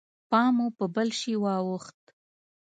پام مو په بل شي واوښت.